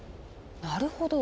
なるほど。